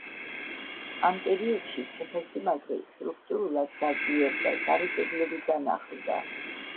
ამ პერიოდში ციხესიმაგრე სტრუქტურულად გაძლიერდა, გარე კედლები განახლდა.